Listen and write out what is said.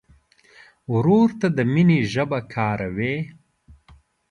ورور ته د مینې ژبه کاروې.